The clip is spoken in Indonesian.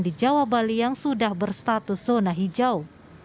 di jawa bali yang sudah berstatus zona hijau